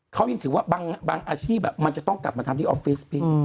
เขายังถือว่าบางอาชีพมันจะต้องกลับมาทำที่ออฟฟิศพี่